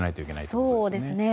そうですね。